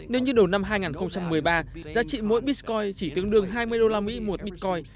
nếu như đầu năm hai nghìn một mươi ba giá trị mỗi bitcoin chỉ tương đương hai mươi đô la mỹ một bitcoin